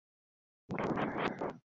Gas cylinder বিস্ফোরণে মারা গেছে।